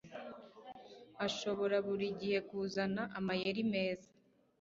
ashobora buri gihe kuzana amayeri meza